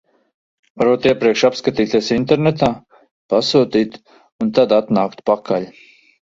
Varot iepriekš apskatīties internetā, pasūtīt un tad atnākt pakaļ.